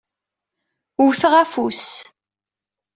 Wwteɣ afus.